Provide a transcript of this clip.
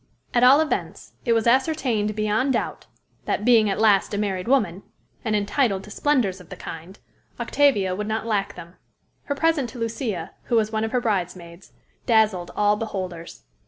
At all events, it was ascertained beyond doubt, that, being at last a married woman, and entitled to splendors of the kind, Octavia would not lack them. Her present to Lucia, who was one of her bridesmaids, dazzled all beholders.